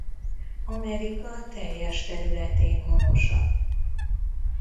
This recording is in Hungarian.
Amerika teljes területén honosak.